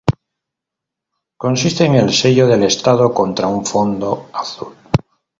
Consiste en el sello del estado contra un fondo azul.